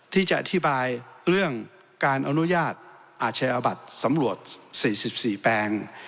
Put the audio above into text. ที่จะอธิบายเรื่องการอนุญาตอาชญาบัตรสำรวจ๔๔แปลง